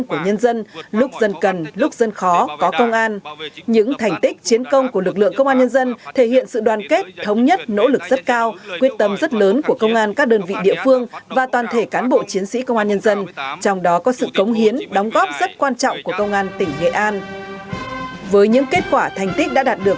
chúc mừng những thành tích kết quả mà cán bộ chiến sĩ công an tỉnh nghệ an đã đạt được